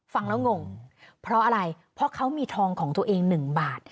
ฟังแล้วงงเพราะอะไรเพราะเขามีทองของตัวเอง๑บาท